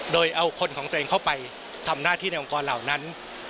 โดยเอาคนของตัวเองเข้าไปทำหน้าที่ในองค์กรเหล่านั้น